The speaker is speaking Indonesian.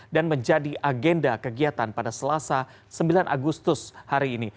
dan menjadi agenda kegiatan pada selasa sembilan agustus hari ini